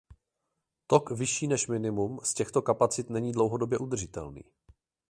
Tok vyšší než minimum z těchto kapacit není dlouhodobě udržitelný.